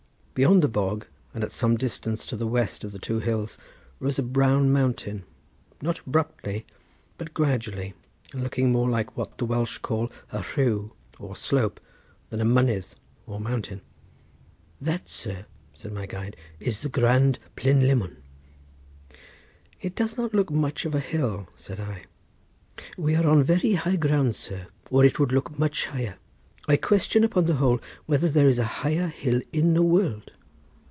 Beyond the bog and at some distance to the west of the two hills rose a brown mountain, not abruptly but gradually, and looking more like what the Welsh call a rhiw or slope than a mynydd or mountain. "That, sir," said my guide, "is the great Plynlimmon." "It does not look much of a hill," said I. "We are on very high ground, sir, or it would look much higher. I question, upon the whole, whether there is a higher hill in the world.